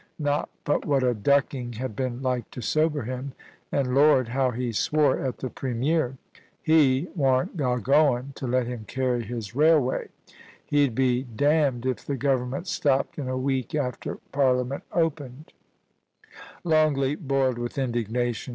Not but what a ducking had been like to sober him ; and Lord, how he swore at the Premier ! He warn't agoin' to let him carry his railway. He'd be d d if the Government stopped in a week after Parliament opened 1' Longleat boiled with indignation.